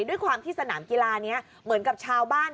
ด้วยความที่สนามกีฬานี้เหมือนกับชาวบ้าน